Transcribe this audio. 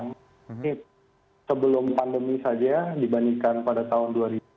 ini sebelum pandemi saja dibandingkan pada tahun dua ribu dua